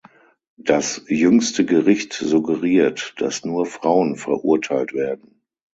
Das „Jüngste Gericht“ suggeriert, dass nur Frauen verurteilt werden.